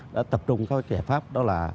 đã tập trung các giải pháp đó là